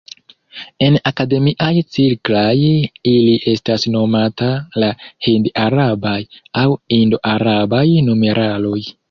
En akademiaj cirklaj ili estas nomata la "Hind-Arabaj" aŭ "Indo-Arabaj" numeraloj.